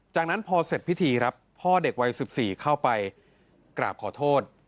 จากนั้นพอเสร็จพิธีครับพ่อเด็กวัย๑๔เข้าไปกราบขอโทษ